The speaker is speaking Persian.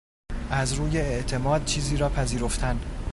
از روی اعتماد چیزی را پذیرفتن